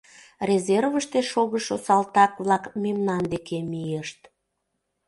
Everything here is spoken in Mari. Резервыште шогышо салтак-влак мемнан деке мийышт.